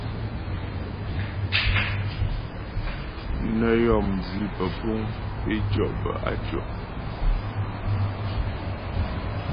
Nə́ yɔ́ mjwi pəpuŋ pé tʉɔ' bə á tʉɔ̀.